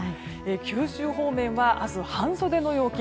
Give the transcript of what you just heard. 九州方面は明日、半袖の陽気。